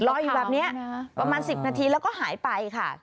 อยู่แบบนี้ประมาณ๑๐นาทีแล้วก็หายไปค่ะ